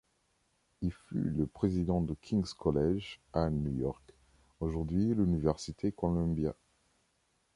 Il fut le président de King's College à New York, aujourd'hui l'Université Columbia.